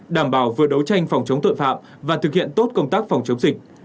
đảm bảo vừa đấu tranh phòng chống tội phạm và thực hiện tốt công tác phòng chống dịch